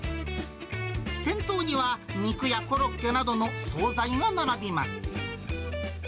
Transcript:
店頭には肉やコロッケなどの総菜が並びます。